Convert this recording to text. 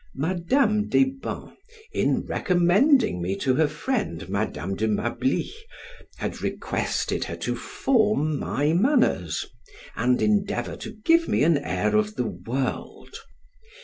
Madam Deybens, in recommending me to her friend Madam de Malby, had requested her to form my manners, and endeavor to give me an air of the world.